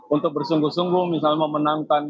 untuk bersungguh sungguh misalnya memenangkan